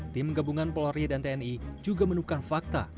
tim gabungan polri dan tni juga menukar fakta